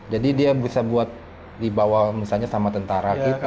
jadi dia bisa dibawa misalnya sama tentara kita